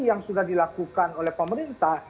yang sudah dilakukan oleh pemerintah